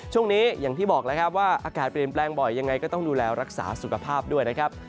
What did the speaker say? ช่วงนี้อย่างที่บอกแล้วครับว่าอากาศเปลี่ยนแปลงบ่อยยังไงก็ต้องดูแลรักษาสุขภาพด้วยนะครับ